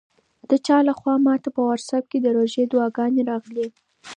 د چا لخوا ماته په واټساپ کې د روژې دعاګانې راغلې.